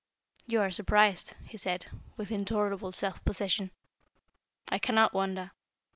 "You are surprised," he said, with intolerable self possession. "I cannot wonder.